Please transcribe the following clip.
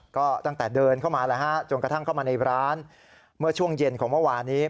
ก็ตั้งแต่เดินเข้ามาแล้วฮะจนกระทั่งเข้ามาในร้านเมื่อช่วงเย็นของเมื่อวานนี้